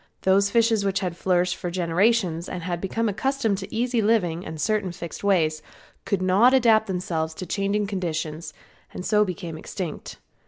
Those fishes which had flourished for generations had become accustomed to easy living and certain fixed ways, could not adapt themselves to changing conditions, and so became extinct.